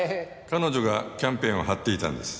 彼女がキャンペーンを張っていたんです。